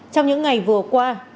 trong những ngày vừa qua